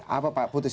apa pak putus